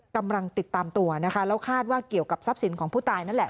กำลังติดตามตัวนะคะแล้วคาดว่าเกี่ยวกับทรัพย์สินของผู้ตายนั่นแหละ